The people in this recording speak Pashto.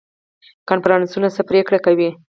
کنفرانسونه څه پریکړې کوي؟